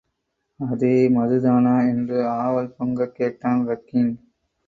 அதே மதுதானா? என்று ஆவல் பொங்கக் கேட்டான் ரக்கின்.